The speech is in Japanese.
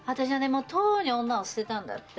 もうとうに女を捨てたんだって。